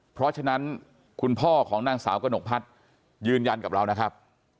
เพราะฉะนั้นคุณพ่อของนางสาวกระหนกพัฒน์ยืนยันกับเรานะครับ